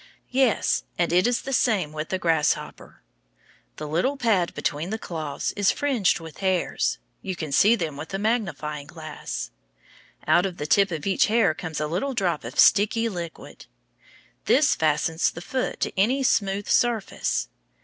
Yes, and it is the same with the grasshopper. The little pad between the claws is fringed with hairs. You can see them with a good magnifying glass. Out of the tip of each hair comes a little drop of sticky liquid. This fastens the foot to any smooth surface.